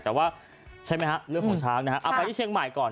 แต่ว่าใช่ไหมฮะเรื่องของช้างนะฮะเอาไปที่เชียงใหม่ก่อน